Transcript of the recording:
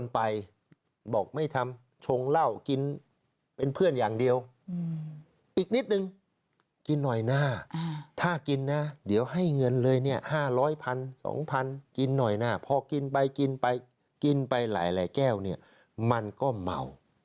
พอกินไปกินไปกินไปหลายหลายแก้วเนี่ยมันก็เมา